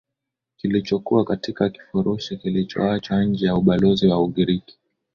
kilichokuwa katika kifurushi kilichoachwa nje ya ubalozi wa ugiriki